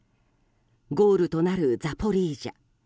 ゴールとなるザポリージャ